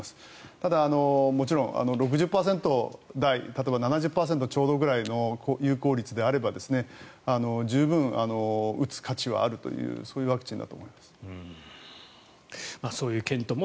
ただ、もちろん６０％台例えば７０％ちょうどぐらいの有効率であれば十分に打つ価値はあるというそういうワクチンだと思います。